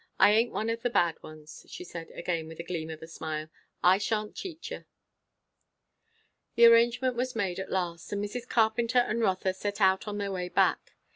I aint one of the bad ones," she said, again with a gleam of a smile. "I shan't cheat you." The arrangement was made at last, and Mrs. Carpenter and Rotha set out on their way back.